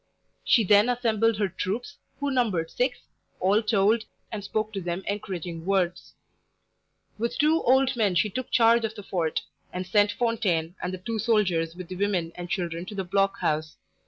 She then assembled her troops, who numbered six, all told, and spoke to them encouraging words. With two old men she took charge of the fort, and sent Fontaine and the two soldiers with the women and children to the block house.